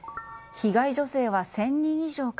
被害女性は１０００人以上か。